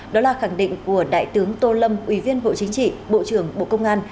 đó là khẳng định của đại tướng tô lâm ủy viên bộ chính trị bộ trưởng bộ công an